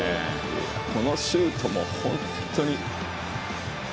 このシュートも本当に。